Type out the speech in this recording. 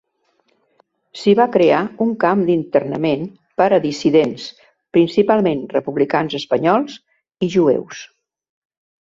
S'hi va crear un camp d'internament per a dissidents, principalment republicans espanyols i jueus.